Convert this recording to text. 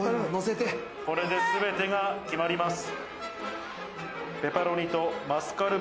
これで、すべてが決まります。